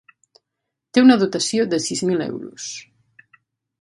Té una dotació de sis mil euros.